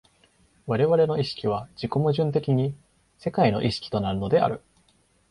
我々の意識は自己矛盾的に世界の意識となるのである。